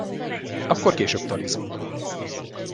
Akkor később talizunk.